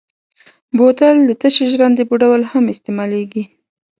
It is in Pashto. بوتل د تشې ژرندې په ډول هم استعمالېږي.